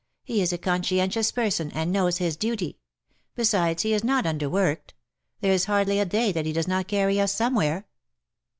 He is a conscientious person, and knows his duty. Besides, he is not underworked. There is hardly a day that he does not carry us somewhere